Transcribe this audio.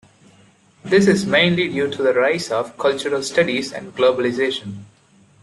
This is mainly due to the rise of cultural studies and globalization.